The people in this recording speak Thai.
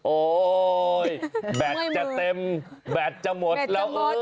โอ๊ยแบตจะเต็มแบตจะหมดแล้ว